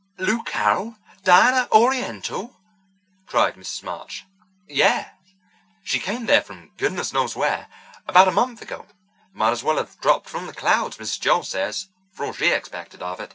"Lou Carroll dying at Oriental!" cried Mrs. March. "Yes. She came there from goodness knows where, about a month ago—might as well have dropped from the clouds, Mrs. Joel says, for all she expected of it.